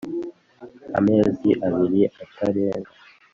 amezi abiri atarenga